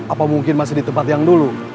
apa mungkin masih di tempat yang dulu